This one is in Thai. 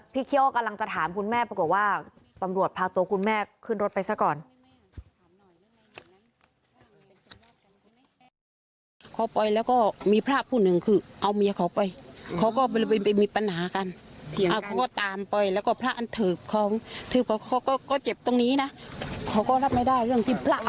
เคี่ยวกำลังจะถามคุณแม่ปรากฏว่าตำรวจพาตัวคุณแม่ขึ้นรถไปซะก่อน